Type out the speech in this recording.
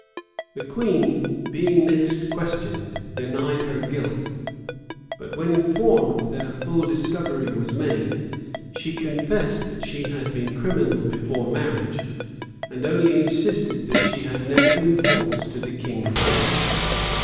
The queen, being next questioned, denied her guilt; but when informed that a full discovery was made, she confessed that she had been criminal before marriage; and only insisted that she had never been false to the king's bed.